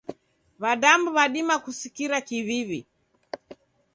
W'adamu w'adima kusikira kiw'iw'i.